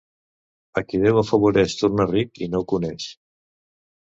A qui Déu afavoreix torna ric i no ho coneix.